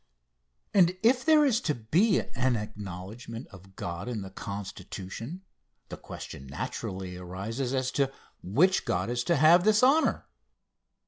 And if there is to be an acknowledgment of God in the Constitution, the question naturally arises as to which God is to have this honor.